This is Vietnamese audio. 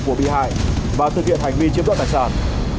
của bị hại và thực hiện hành vi chiếm đoạt tài sản